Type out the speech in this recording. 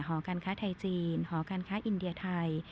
หอการค้าไทยจีนหอการค้าอินเดียไทย